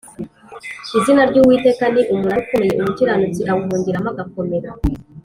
“Izina ry’Uwiteka ni umunara ukomeye, Umukiranutsi awuhungiramo, agakomera.”